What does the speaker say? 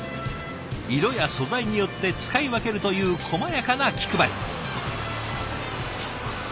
色や素材によって使い分けるというこまやかな気配り。